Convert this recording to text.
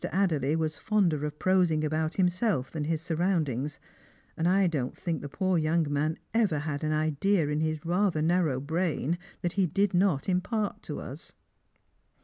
Adderley was fonder of prosing about himself than his surroundings, and I don't think the poor young man ever had an idea in his rather narrow brain that he did not impart to us."